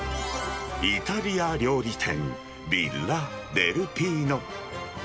イタリア料理店、ヴィッラ・デルピーノ。